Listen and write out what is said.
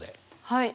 はい。